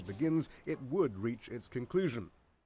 tổng thống palestine mahmoud abbas nói